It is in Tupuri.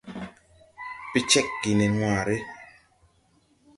Pecèg gè nen waare.